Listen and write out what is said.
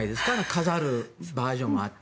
飾るバージョンもあって。